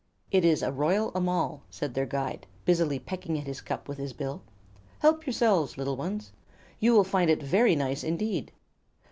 "It is royal amal," said their guide, busily pecking at his cup with his bill. "Help yourselves, little ones. You will find it very nice indeed."